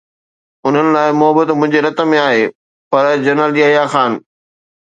انهن لاءِ محبت منهنجي رت ۾ آهي، پر جنرل يحيٰ خان؟